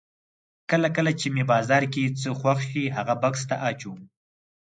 کله کله چې مې بازار کې څه خوښ شي هغه بکس ته اچوم.